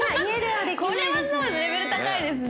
これはレベル高いですね。